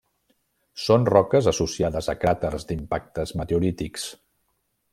Són roques associades a cràters d'impactes meteorítics.